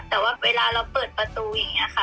แต่ว่าเวลาเราเปิดประตูอย่างนี้ค่ะ